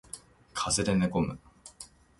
風邪で寝込む